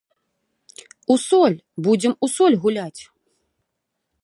У соль, будзем у соль гуляць!